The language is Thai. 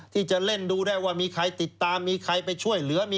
ที่จะเล่นดูได้ว่ามีใครติดตามมีใครไปช่วยเหลือ